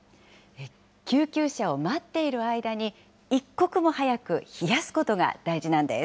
救急車を待っている間に、一刻も早く冷やすことが大事なんです。